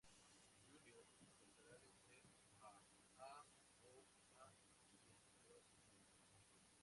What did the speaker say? Junior intentará vencer a A.o.A y así salvar el mundo.